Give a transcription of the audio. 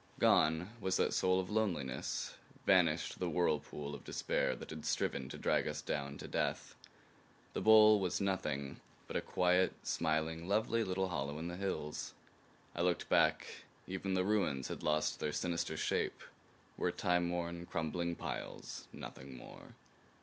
Gone was that soul of loneliness; vanished the whirlpool of despair that had striven to drag us down to death. The bowl was nothing but a quiet, smiling lovely little hollow in the hills. I looked back. Even the ruins had lost their sinister shape; were time worn, crumbling piles nothing more.